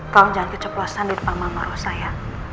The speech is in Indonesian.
tolong jangan keceplasan di depan mama rosa ya